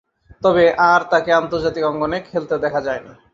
তবে, আর তাকে আন্তর্জাতিক অঙ্গনে খেলতে দেখা যায়নি।